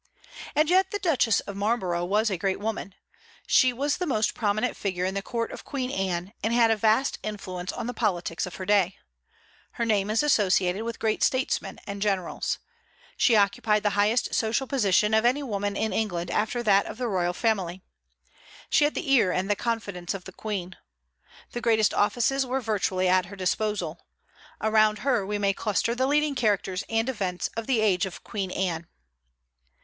And yet the Duchess of Marlborough was a great woman. She was the most prominent figure in the Court of Queen Anne, and had a vast influence on the politics of her day. Her name is associated with great statesmen and generals. She occupied the highest social position of any woman in England after that of the royal family. She had the ear and the confidence of the Queen. The greatest offices were virtually at her disposal. Around her we may cluster the leading characters and events of the age of Queen Anne.